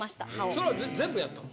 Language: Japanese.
それ全部やったん？